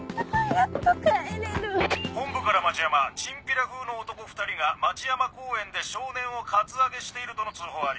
やっと帰れる。本部から町山チンピラ風の男２人が町山公園で少年をカツアゲしているとの通報あり。